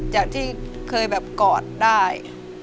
จากที่เคยแบบกอดได้